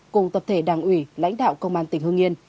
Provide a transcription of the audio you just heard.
cùng tập thể đảng ủy lãnh đạo công an tỉnh hương yên